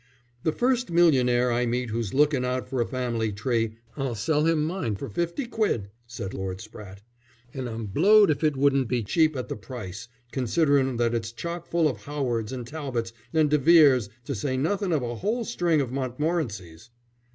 "The first millionaire I meet who's lookin' out for a family tree, I'll sell him mine for fifty quid," said Lord Spratte. "And I'm blowed if it wouldn't be cheap at the price, considerin' that it's chock full of Howards and Talbots and de Veres to say nothin' of a whole string of Montmorencys."